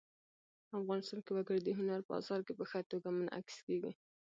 افغانستان کې وګړي د هنر په اثار کې په ښه توګه منعکس کېږي.